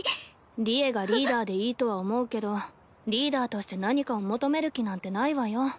利恵がリーダーでいいとは思うけどリーダーとして何かを求める気なんてないわよ。